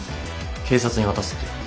警察に渡すって。